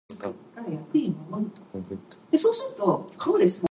They regularly gathered to discuss the latest artistic trends and to read samizdat.